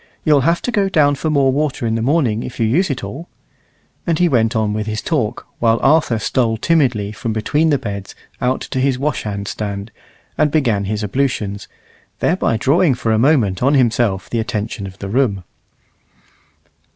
You'll have to go down for more water in the morning if you use it all." And on he went with his talk, while Arthur stole timidly from between the beds out to his washhand stand, and began his ablutions, thereby drawing for a moment on himself the attention of the room.